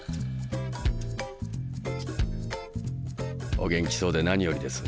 お元気そうで何よりです。